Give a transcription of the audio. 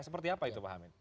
seperti apa itu pak amin